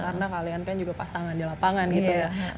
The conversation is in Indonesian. karena kalian kan juga pasangan di lapangan gitu ya